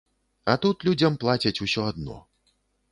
А тут людзям плацяць усё адно.